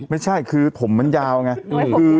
ไม่ใช่คือถมมันยาวไง